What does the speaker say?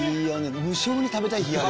無性に食べたい日がある。